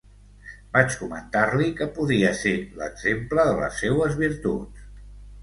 Vaig comentar-li que podia ser l’exemple de les seues virtuts.